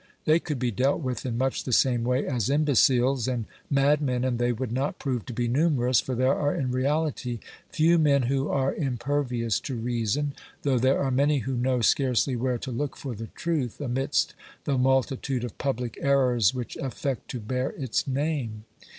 They could be dealt with in much the same way as im beciles and madmen, and they would not prove to be numerous, for there are in reality few men who are imper vious to reason, though there are many who know scarcely where to look for the truth amidst the multitude of public errors which affect to bear its name.